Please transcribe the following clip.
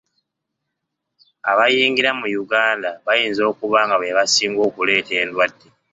Abayingira mu Uganda bayinza okuba nga be basinga okuleeta endwadde.